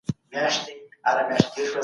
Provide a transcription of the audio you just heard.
د خدای لارښووني د ژوند د لاري رڼا ده.